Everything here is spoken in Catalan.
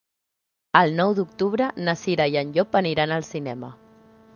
El nou d'octubre na Cira i en Llop aniran al cinema.